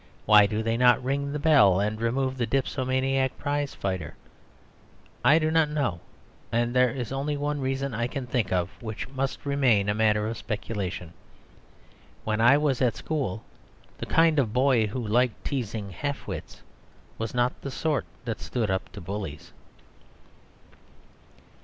Why do they not ring the bell and remove the dipsomaniac prize fighter? I do not know; and there is only one reason I can think of, which must remain a matter of speculation. When I was at school, the kind of boy who liked teasing half wits was not the sort that stood up to bullies.